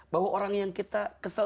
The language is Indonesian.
bahwa orang yang kita kesel